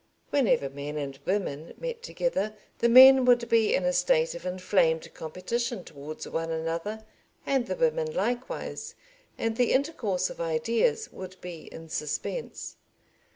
Whenever men and women met together, the men would be in a state of inflamed competition towards one another, and the women likewise, and the intercourse of ideas would be in suspense.